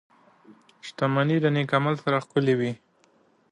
• شتمني د نېک عمل سره ښکلې وي.